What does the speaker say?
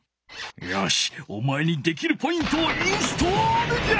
よしおまえにできるポイントをインストールじゃ！